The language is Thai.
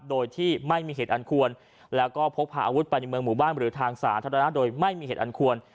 โดยที่ไม่มีเหตุอันควรแล้วก็พกพาอาวุธไปในเมืองหมู่บ้านหรือทางสาธารณะโดยไม่มีเหตุอันควร